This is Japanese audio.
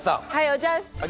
おじゃす！